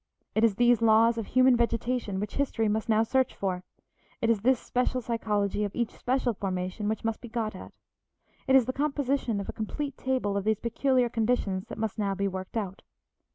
It is these laws of human vegetation which history must now search for; it is this special psychology of each special formation which must be got at; it is the composition of a complete table of these peculiar conditions that must now be worked out.